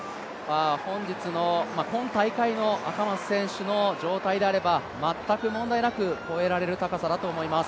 本日の、今大会の赤松選手の状態であれば全く問題なく越えられる高さだと思います。